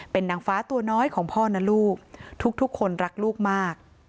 เป็นนางฟ้าตัวน้อยของพ่อนะลูกทุกคนรักลูกมาก